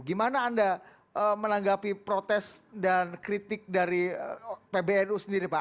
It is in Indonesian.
gimana anda menanggapi protes dan kritik dari pbnu sendiri pak